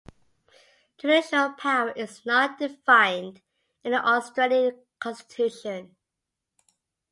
Judicial power is not defined in the Australian Constitution.